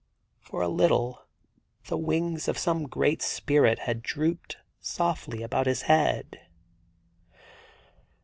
For a little the wings of some great spirit had drooped softly about his head.